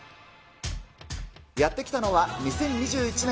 やって来たのは、２０２１年